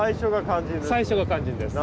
最初が肝心ですね。